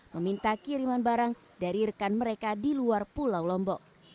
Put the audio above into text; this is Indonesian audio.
meminta kiriman barang dari rekan mereka di luar pulau lombok